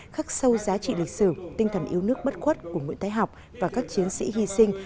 khắc sâu giá trị lịch sử tinh thần yêu nước bất quất của nguyễn thái học và các chiến sĩ hy sinh